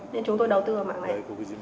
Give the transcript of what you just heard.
nên chúng tôi đầu tư vào mảng này